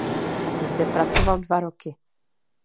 Zde pracoval dva roky.